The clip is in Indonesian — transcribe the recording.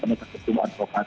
penekan kekejuan rokat